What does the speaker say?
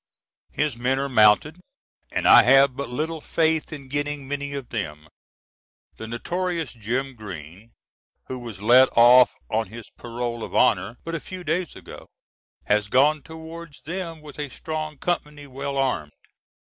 His men are mounted, and I have but little faith in getting many of them. The notorious Jim Green who was let off on his parole of honor but a few days ago, has gone towards them with a strong company well armed.